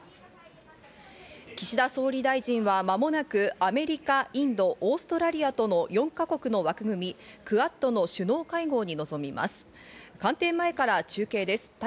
岸田総理大臣は間もなくアメリカ、インド、オーストラリアとの４か国の枠組み、クアッドの首脳会合にのぞみます。